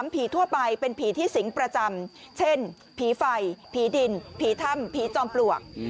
ผีทั่วไปเป็นผีที่สิงประจำเช่นผีไฟผีดินผีถ้ำผีจอมปลวก